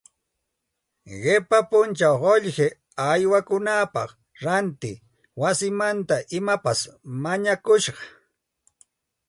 Qipa punchaw qullqi haywaykunapaq ranti wasimanta imapas mañakusqa